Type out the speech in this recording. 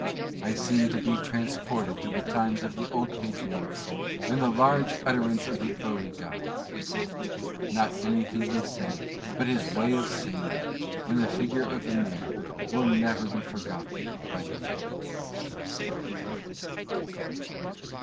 I seemed to be transported to the times of the old patriarchs, and the large utterance of the early gods." Not anything he said, bu: his ::" saying it, and the figure of the man, wilJ never be forgotten by me.